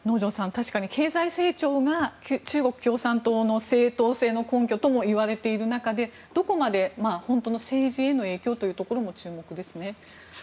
確かに経済成長が中国共産党の正当性の根拠ともいわれている中でどこまで本当の政治への影響というところも注目ですね。